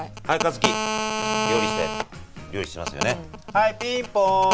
「はいピンポーン！